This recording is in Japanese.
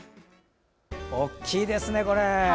大きいですね、これ！